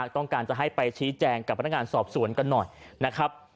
ต้องการจะให้ไปชี้แจงกับพนักงานสอบสวนกันหน่อยนะครับ